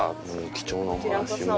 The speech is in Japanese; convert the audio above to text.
貴重なお話も。